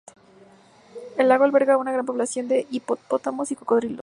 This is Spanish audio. El lago alberga una gran población de hipopótamos y cocodrilos.